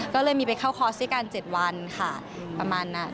ก็เลยมีไปเข้าคอร์สด้วยกัน๗วันค่ะประมาณนั้น